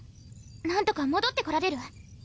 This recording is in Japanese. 何とか戻ってこられる？